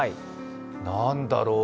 何だろう。